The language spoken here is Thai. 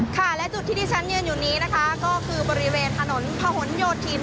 ค่ะและจุดที่ที่ฉันยืนอยู่นี้นะคะก็คือบริเวณถนนพะหนโยธิน